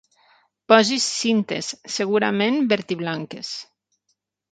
Posis cintes, segurament verd-i-blanques.